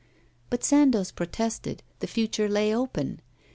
But Sandoz protested, the future lay open.